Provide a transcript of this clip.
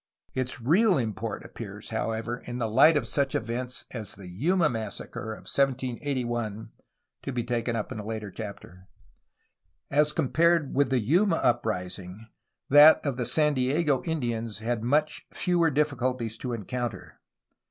Its real import appears, however, in the light of such events as the Yuma massacre of 1781 (to be taken up in a later chapter). As compared with the Yuma uprising that of the San Diego Indians had much fewer difficulties to encounter.